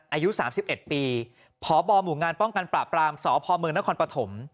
อายุ๓๑ปีพบหมู่งานป้องกันปราบรามสพเมืองนครปฐม